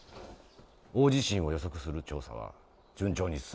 大地震を予測する調査は順調に進んでいるのか？